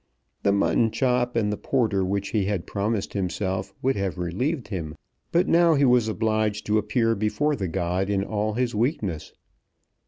The mutton chop and porter which he had promised himself would have relieved him; but now he was obliged to appear before the god in all his weakness.